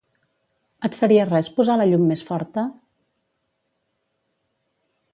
Et faria res posar la llum més forta?